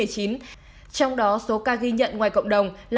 trong đó số ca ghi nhận ngoài cộng đồng là